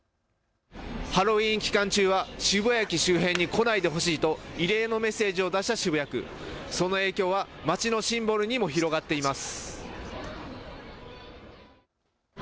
ハロウィーン期間中は渋谷駅周辺に来ないでほしいと異例のメッセージを出した渋谷区、その影響は街のシンボルにも広がっています。